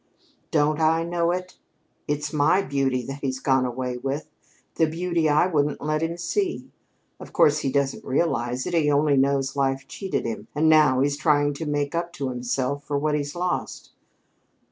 "Don't I know it? It's my beauty that he's gone away with the beauty I wouldn't let him see. Of course, he doesn't realize it. He only knows life cheated him, and now he's trying to make up to himself for what he's lost."